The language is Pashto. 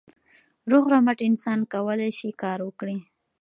روغ رمټ انسان کولای سي کار وکړي.